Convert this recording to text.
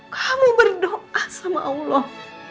kamu berdoa sama allah